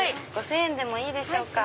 ５０００円でもいいでしょうか。